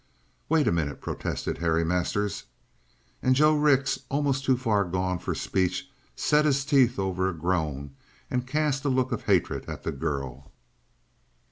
"Wait a minute," protested Harry Masters. And Joe Rix, almost too far gone for speech, set his teeth over a groan and cast a look of hatred at the girl.